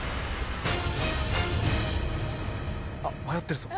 あっ迷ってるぞ。